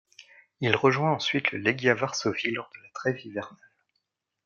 Il rejoint ensuite le Legia Varsovie lors de la trêve hivernale.